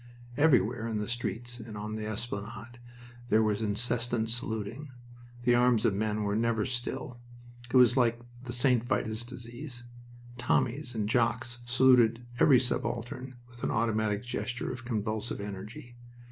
Everywhere in the streets and on the esplanade there was incessant saluting. The arms of men were never still. It was like the St. Vitus disease. Tommies and Jocks saluted every subaltern with an automatic gesture of convulsive energy.